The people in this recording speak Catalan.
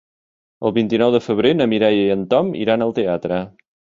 El vint-i-nou de febrer na Mireia i en Tom iran al teatre.